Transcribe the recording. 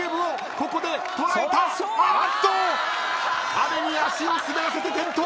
雨に足を滑らせて転倒！